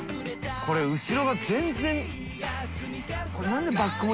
これ後ろが全然。